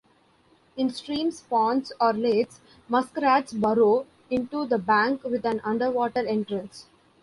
In streams, ponds, or lakes, muskrats burrow into the bank with an underwater entrance.